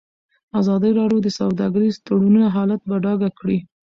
ازادي راډیو د سوداګریز تړونونه حالت په ډاګه کړی.